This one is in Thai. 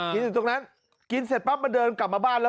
อยู่ตรงนั้นกินเสร็จปั๊บมันเดินกลับมาบ้านแล้ว